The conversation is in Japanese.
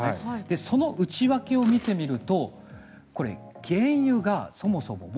その内訳をみてみるとこれ、原油がそもそも。